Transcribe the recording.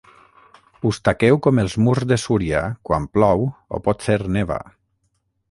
Us taqueu com els murs de Súria quan plou o potser neva.